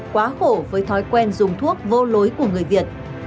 quá khổ với thói quen dùng thuốc vô lối của người việt